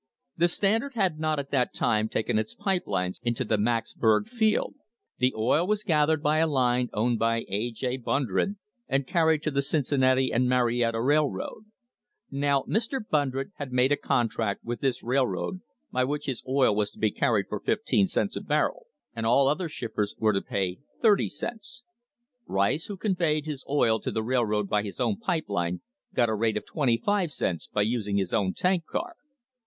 The Standard had not at that time taken its pipe lines into the Macksburg field; the oil was gathered by a line owned by A. J. Brun dred, and carried to the Cincinnati and Marietta Railroad. Now, Mr. Brundred had made a contract with this railroad by which his oil was to be carried for fifteen cents a barrel, and all other shippers were to pay thirty cents. Rice, who conveyed his oil to the railroad by his own pipe line, got a rate of twenty five cents by using his own tank car.